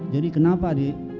jadi kenapa adik